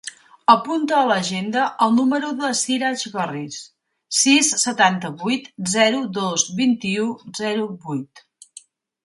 Apunta a l'agenda el número del Siraj Gorriz: sis, setanta-vuit, zero, dos, vint-i-u, zero, vuit.